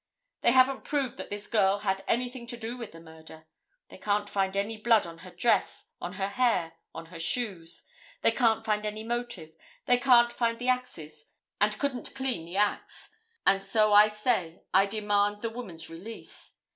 They haven't proved that this girl had anything to do with the murder. They can't find any blood on her dress, on her hair, on her shoes. They can't find any motive. They can't find the axes, and couldn't clean the axe, and so I say I demand the woman's release.